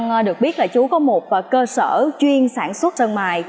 dạ con được biết là chú có một cơ sở chuyên sản xuất sân mài